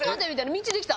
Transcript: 道できた。